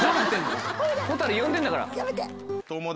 螢呼んでんだから。